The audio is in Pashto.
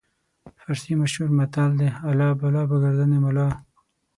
فارسي مشهور متل دی: الله بلا به ګردن ملا.